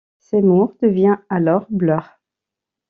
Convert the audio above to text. Seymour devient alors Blur.